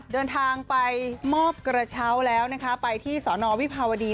เดินทางไปมอบกระเช้าแล้วนะคะไปที่สอนอวิภาวดี